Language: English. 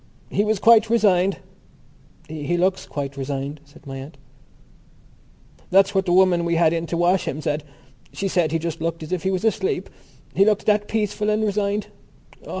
"He was quite resigned." "He looks quite resigned," said my aunt. "That's what the woman we had in to wash him said. She said he just looked as if he was asleep, he looked that peaceful and resigned.